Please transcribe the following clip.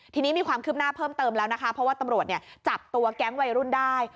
ทีนี้มีความคืบหน้าเพิ่มเติมแล้วนะคะเพราะว่าตำรวจจับตัวแก๊งวัยรุ่นได้